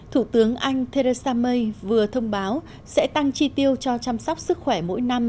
thủ tướng anh theresa may vừa thông báo sẽ tăng chi tiêu cho chăm sóc sức khỏe mỗi năm